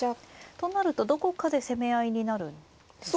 となるとどこかで攻め合いになるんですか。